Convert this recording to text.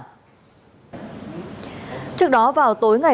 ừ trước đó vào tối